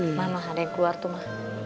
mana ada yang keluar tuh ma